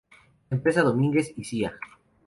La empresa Domínguez y Cía.